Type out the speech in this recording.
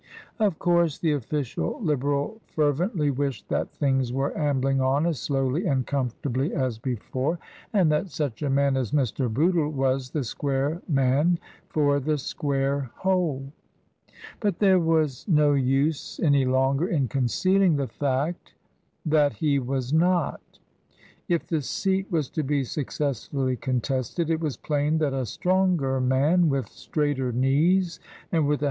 Of course the official Liberal fer vently wished that things were ambling on as slowly and comfortably as before, and that such a man as Mr. Bootle was the square man for the square hole ; but there was no use any longer in concealing the fact that he was not. If the seat was to be successfully contested, it was plain that a stronger man with straighter knees and with a 18 2o6 TRANSITION.